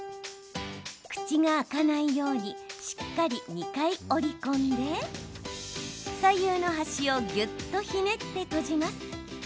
口が開かないようにしっかり２回折り込んで左右の端をぎゅっとひねって閉じます。